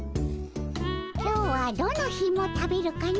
今日はどのひも食べるかの。